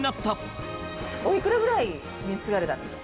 おいくらぐらい貢がれたんですか？